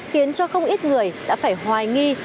khiến cho không ít người đã phải hoài nghi